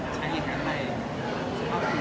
อเรนนี่ว่าที่เต็มประกาศเหมือนกันนะครับ